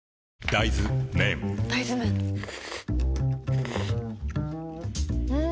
大豆麺ん？